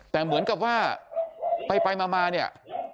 แต่เหมือนกับว่าไปมาเนี่ย